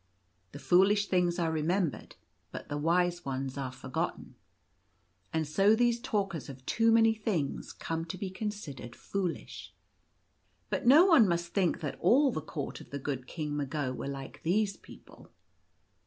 The foolish things are remembered, but the wise ones are forgotten ; and so these talkers of too many things come to be con sidered foolish. But no one must think that all the Court of the good King Mago were like these people.